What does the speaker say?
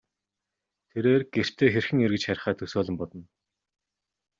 Тэрээр гэртээ хэрхэн эргэж харихаа төсөөлөн бодно.